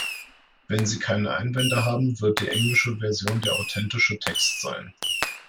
Wenn Sie keine Einwände haben, wird die englische Version der authentische Text sein.